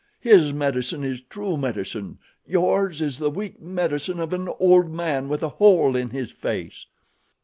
His medicine is true medicine yours is the weak medicine of an old man with a hole in his face."